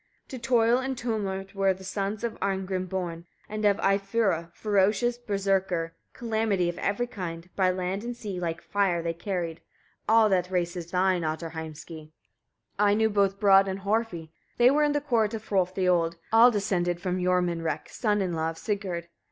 24. To toil and tumult were the sons of Arngrim born, and of Eyfura: ferocious berserkir, calamity of every kind, by land and sea, like fire they carried. All that race is thine, Ottar Heimski! 25. I knew both Brodd and Horfi, they were in the court of Hrolf the Old; all descended from Jormunrek, son in law of Sigurd.